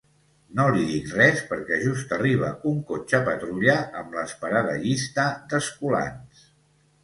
No li dic res perquè just arriba un cotxe patrulla amb l'esperada llista d'escolans.